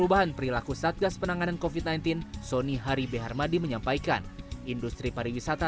bagaimana kita membangkitkan kembali pariwisata bagaimana kita membangkitkan kembali pariwisata